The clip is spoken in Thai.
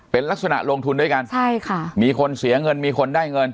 เป็นลักษณะลงทุนด้วยกันใช่ค่ะมีคนเสียเงินมีคนได้เงิน